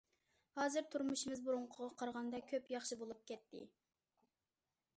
ھازىر تۇرمۇشىمىز بۇرۇنقىغا قارىغاندا كۆپ ياخشى بولۇپ كەتتى.